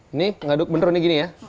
ini ngaduk bener nih gini ya